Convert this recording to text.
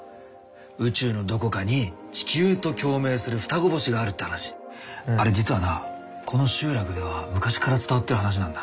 宇宙のどこかに地球と共鳴する双子星があるって話あれ実はなこの集落では昔から伝わってる話なんだ。